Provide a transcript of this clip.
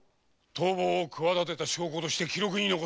逃亡を企てた証拠として記録に残せ。